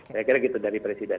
saya kira gitu dari presiden